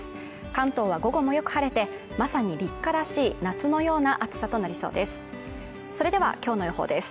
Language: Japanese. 関東は午後もよく晴れてまさに立夏らしい夏のような暑さとなりそうです